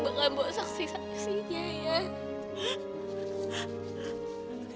bakalan bawa saksi saksi aja ya